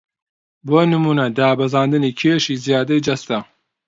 بۆ نموونە دابەزاندنی کێشی زیادەی جەستە